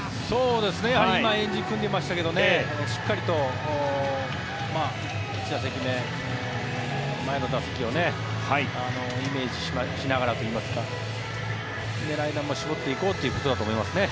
今円陣、組んでましたけどしっかりと１打席目、前の打席をイメージしながらといいますか狙い球を絞っていこうということだと思いますね。